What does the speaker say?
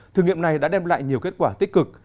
thử nghiệm này đã đem lại nhiều kết quả tích cực